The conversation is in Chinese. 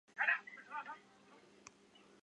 该寺又被列为汉族地区佛教全国重点寺院。